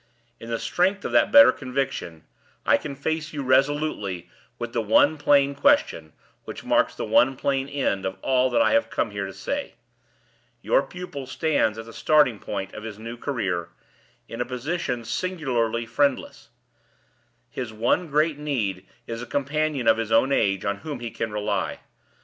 In the strength of that better conviction, I can face you resolutely with the one plain question, which marks the one plain end of all that I have come here to say. Your pupil stands at the starting point of his new career, in a position singularly friendless; his one great need is a companion of his own age on whom he can rely.